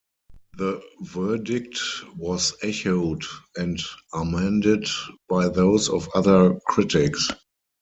The verdict was echoed and amended by those of other critics.